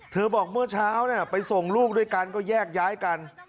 บอกเมื่อเช้าไปส่งลูกด้วยกันก็แยกย้ายกัน